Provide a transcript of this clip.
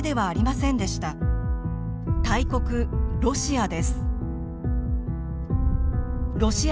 大国ロシアです。